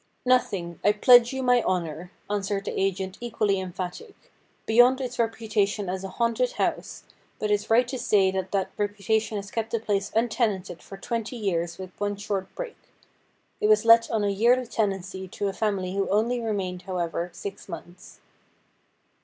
' Nothing ; I pledge you my honour,' answered the agent equally emphatic, ' beyond its reputation as a haunted house, but it is right to say that that reputation has kept the place untenanted for twenty years with one short break. It was let on a yearly tenancy to a family who only remained, however, six months.'